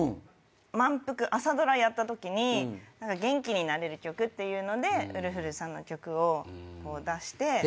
『まんぷく』朝ドラやったときに元気になれる曲っていうのでウルフルズさんの曲を出して。